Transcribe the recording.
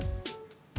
belok kanan ya